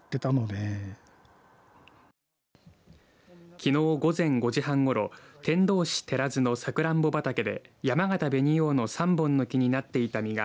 きのう午前５時半ごろ天童市寺津のサクランボ畑でやまがた紅王の３本の木になっていた実が